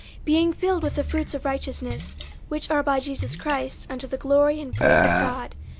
50:001:011 Being filled with the fruits of righteousness, which are by Jesus Christ, unto the glory and praise of God.